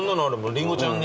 りんごちゃんは。